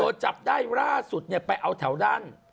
โดนจับได้ล่าสุดไปเอาแถวด้าน